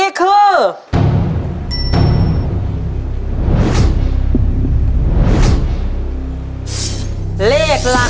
ขอบคุณครับ